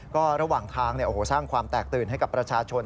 ก็ระหว่างทางสร้างความแตกตื่นให้กับประชาชน